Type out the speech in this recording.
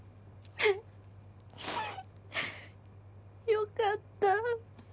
よかった